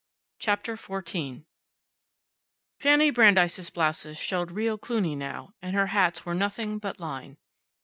CHAPTER FOURTEEN Fanny Brandeis' blouses showed real Cluny now, and her hats were nothing but line.